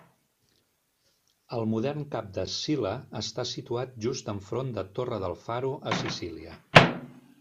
El modern cap de Scilla està situat just enfront de Torre del Faro a Sicília.